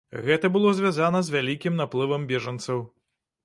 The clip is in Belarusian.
Гэта было звязана з вялікім наплывам бежанцаў.